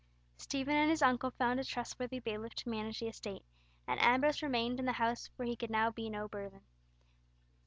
Stephen and his uncle found a trustworthy bailiff to manage the estate, and Ambrose remained in the house where he could now be no burthen.